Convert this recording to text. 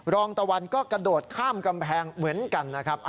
รองตะวันก็กระโดดข้ามกำแพงเหมือนกันนะครับ